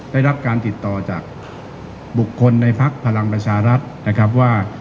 ได้รับการติดต่อจากบุคคลในพักพลังประชารัฐนะครับว่า